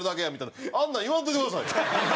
なあんなん言わんといてくださいよ。